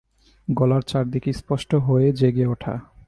গলার চারদিকে স্পষ্ট হয়ে জেগে ওঠা।